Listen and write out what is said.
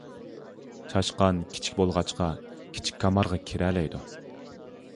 چاشقان كىچىك بولغاچقا، كىچىك كامارغا كىرەلەيدۇ.